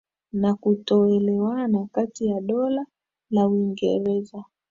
na kutoelewana kati ya Dola la Uingereza